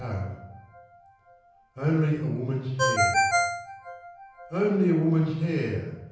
1859. ONLY A WOMAN'S HAIR. 'Only a woman's hair'!